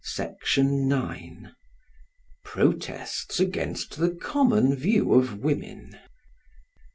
Section 9. Protests against the Common View of Woman.